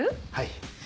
はい。